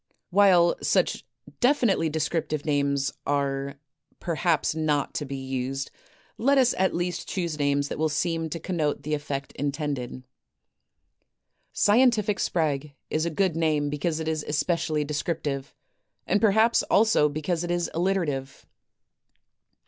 While such definitely descriptive names are perhaps not to be used, let us at least choose names that will seem to connote the effect intended. *' Scientific Sprague " is a good name because it is especially descriptive; and perhaps also because it is alliterative.